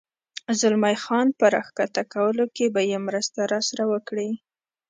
زلمی خان په را کښته کولو کې به یې مرسته راسره وکړې؟